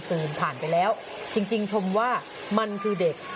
ผ่านไปแล้วจริงชมว่ามันคือเด็ก